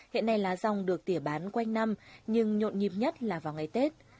hiện nay lá rong được tỉa bán quanh năm nhưng nhộn nhịp nhất là vào ngày tết